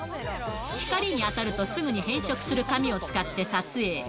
光に当たるとすぐに変色する紙を使って撮影。